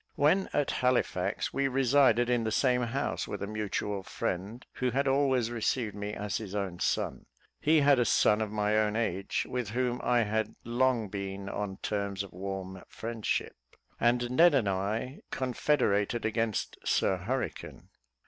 When at Halifax, we resided in the same house with a mutual friend, who had always received me as his own son. He had a son of my own age, with whom I had long been on terms of warm friendship, and Ned and I confederated against Sir Hurricane.